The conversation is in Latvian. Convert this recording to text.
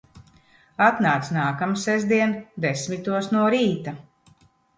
Atnāc nākamsestdien desmitos no rīta.